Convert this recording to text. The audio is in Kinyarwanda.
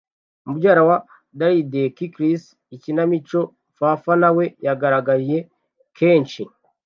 Mubyara wa Drydek Chris "Ikinamico" Pfaff nawe yagaragaye kenshi.